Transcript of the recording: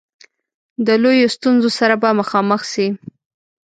د لویو ستونزو سره به مخامخ سي.